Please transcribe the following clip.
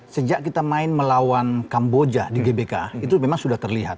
sejak kita main melawan kamboja di gbk itu memang sudah terlihat